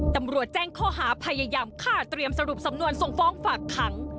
ตำรวจแจ้งข้อหาพยายามฆ่าเตรียมสรุปสำนวนส่งฟ้องฝากขัง